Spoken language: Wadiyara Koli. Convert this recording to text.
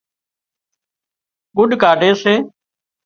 ڳُڏ ڪاڍي سي